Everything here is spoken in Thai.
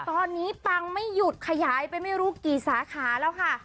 ตอนนี้ปังไม่หยุดขยายไปไม่รู้กี่สาขาแล้วค่ะ